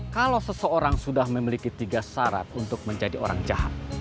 kalau seseorang sudah memiliki tiga syarat untuk menjadi orang jahat